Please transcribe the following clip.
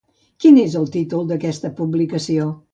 Quin és el títol d'aquesta publicació?